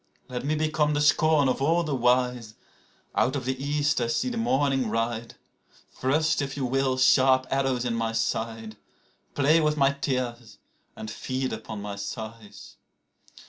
Let me become the scorn of all the wise. (Out of the East I see the morning ride.) Thrust, if you will, sharp arrows in my side, Play with my tears and feed upon my sighs.